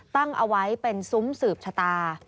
ตั้งเอาไว้เป็นซุ้มสืบชะตา